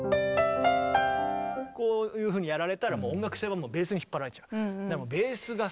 こういうふうにやられたらもう音楽性はベースに引っ張られちゃう。